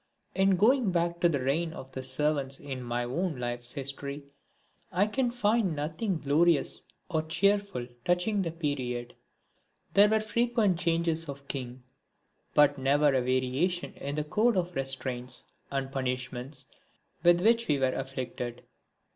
In going back to the reign of the servants in my own life's history I can find nothing glorious or cheerful touching the period. There were frequent changes of king, but never a variation in the code of restraints and punishments with which we were afflicted.